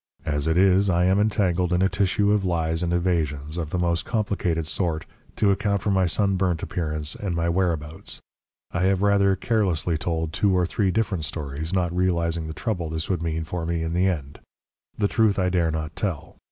As it is, I am entangled in a tissue of lies and evasions, of the most complicated sort, to account for my sunburnt appearance and my whereabouts. I have rather carelessly told two or three different stories, not realising the trouble this would mean for me in the end. The truth I dare not tell.